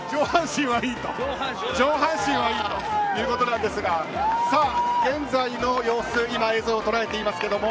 上半身はいいということですが現在の様子映像を捉えています。